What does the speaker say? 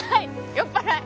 酔っ払い！